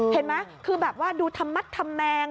เห็นไหมคือแบบว่าดูธรรมมัดทำแมง